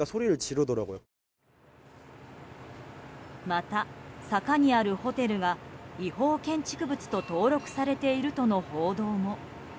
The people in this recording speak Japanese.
また、坂にあるホテルが違法建築物と登録されているとの報道も。